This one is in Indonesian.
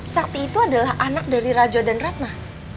sakti itu adalah anak dari raja dan ratna